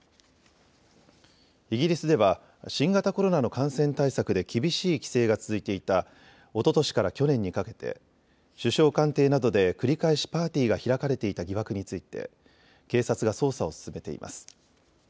イギリスでは新型コロナの感染対策で厳しい規制が続いていたおととしから去年にかけて首相官邸などで繰り返しパーティーが開かれていた疑惑について警察が捜査を進めています。